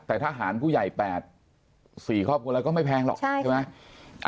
แต่ทหารผู้ใหญ่๘๔ครอบครัวแล้วก็ไม่แพงหรอกใช่ไหม